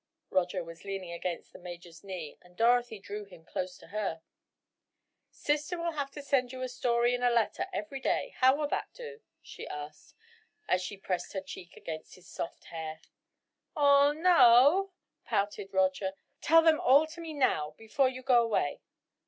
Roger was leaning against the Major's knee, and Dorothy drew him close to her. "Sister will have to send you a story in a letter every day. How will that do?" she asked, as she pressed her cheek against his soft hair. "Aw, no," pouted Roger, "tell them all to me now, before you go away."